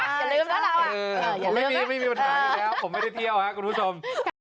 อย่าลืมนะเราผมไม่มีไม่มีปัญหาอยู่แล้วผมไม่ได้เที่ยวครับคุณผู้ชม